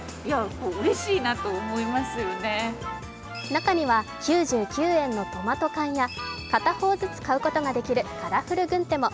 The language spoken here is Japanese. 中には９９円のトマト缶や片方ずつ買うことができるカラフル軍手も。